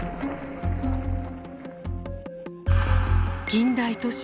近代都市